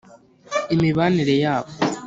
imibanire yabo,